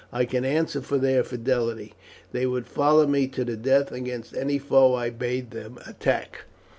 I can answer for their fidelity, they would follow me to the death against any foe I bade them attack."